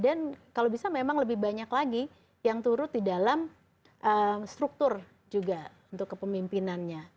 dan kalau bisa memang lebih banyak lagi yang turut di dalam struktur juga untuk kepemimpinannya